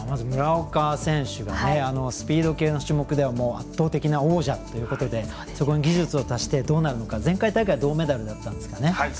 村岡選手がスピード系の種目では圧倒的な王者ということでそこに技術を足してどうなるのか、前回大会銅メダルだったんですよね。